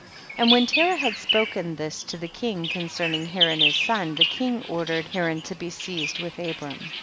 20. And when Terah had spoken this to the king c(>!icerning Haran his son, the king ordered Haran to be seized with Abram.